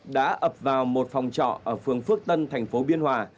đã ập vào một phòng trọ ở phường phước tân thành phố biên hòa